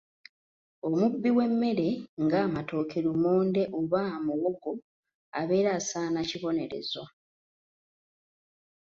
"Omubbi w’emmere ng’amatooke, lumonde oba muwogo abeera asaana kibonerezo."